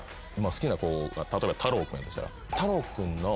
好きな子が例えばタロウ君やとしたら。